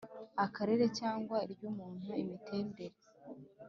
Akarere cyangwa iry umuntu imiterere